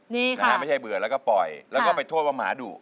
นี่ค่ะไม่ใช่เบื่อแล้วก็ปล่อยแล้วก็ไปโทษว่าหมาดุ